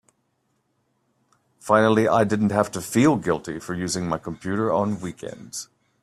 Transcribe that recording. Finally I didn't have to feel guilty for using my computer on weekends.